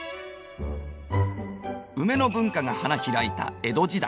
ウメの文化が花開いた江戸時代